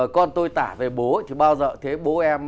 con tôi tả về bố thì bao giờ thế bố em